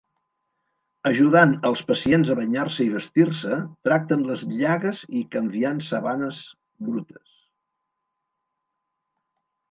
Ajudant els pacients a banyar-se i vestir-se, tracten les llagues i canviant sabanes brutes.